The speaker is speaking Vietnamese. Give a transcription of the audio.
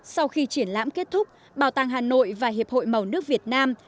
sau khi triển lãm kết thúc bảo tàng hà nội và hiệp hội màu nước việt nam